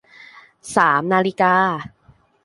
สามนาฬิกา